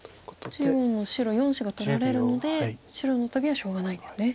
中央の４子が取られるので白のトビはしょうがないんですね。